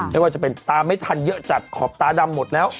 ไม่ว่าจะเป็นตาไม่ทันเยอะจัดขอบตาดำหมดแล้ว